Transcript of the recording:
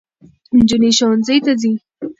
نجونې ښوونځي ته ځي.